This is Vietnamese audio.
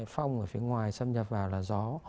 phong ở phía ngoài xâm nhập vào là gió